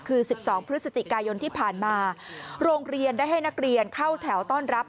คือ๑๒พฤศจิกายนที่ผ่านมาโรงเรียนได้ให้นักเรียนเข้าแถวต้อนรับ